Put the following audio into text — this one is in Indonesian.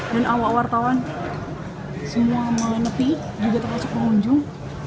dan awak wartawan semua menetik juga terkasih pengunjung